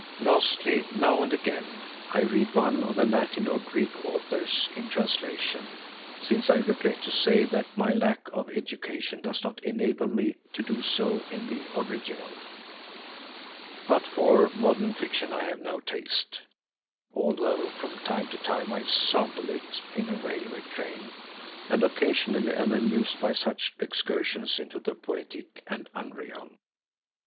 Lastly now and again I read one of the Latin or Greek authors in a translation, since I regret to say that my lack of education does not enable me to do so in the original. But for modern fiction I have no taste, although from time to time I sample it in a railway train and occasionally am amused by such excursions into the poetic and unreal.